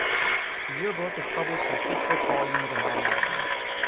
The Yearbook is published in six book volumes and online.